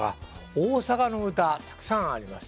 大阪の歌たくさんあります。